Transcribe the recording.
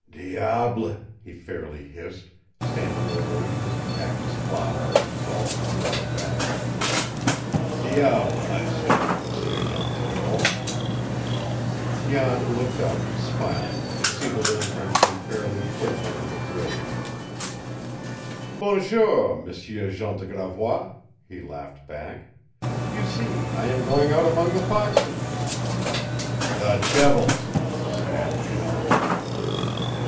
"Diable!" he fairly hissed, standing over him as he packed his flour and salt in a rubber bag. "Diable, I say, M. Jan Thoreau!" Jan looked up, smiling, to see the little Frenchman fairly quivering with rage. "Bon jour, M. Jean de Gravois!" he laughed back. "You see I am going out among the foxes." "The devils!" snapped Jean.